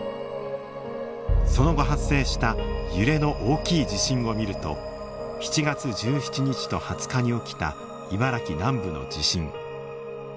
その後発生した揺れの大きい地震を見ると７月１７日と２０日に起きた茨城南部の地震。